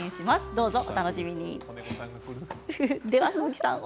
どうぞお楽しみに。